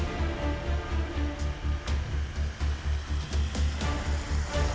jadi itu akan lebih hangat